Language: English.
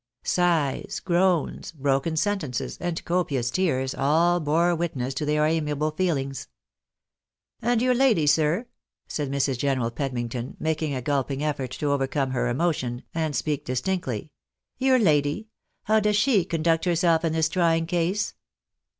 Sighs, groans, broken sentences, and copious tears, all bore witness to their amiable feelings. " And your lady, sir ?" said Mrs. General Pedmington, making a gulping effort to overcome her emotion, and speak distinctly " your lady — how does she conduct herself iu tMs trying case?